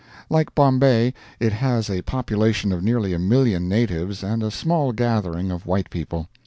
Like Bombay, it has a population of nearly a million natives and a small gathering of white people.